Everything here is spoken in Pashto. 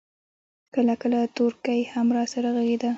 کله کله تورکى هم راسره ږغېده.